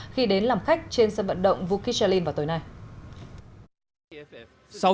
khi đến làm khách trên sân vận động vukishalin vào tối nay